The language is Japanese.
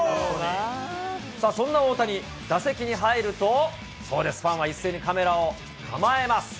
さあ、そんな大谷、打席に入ると、そうです、ファンは一斉にカメラを構えます。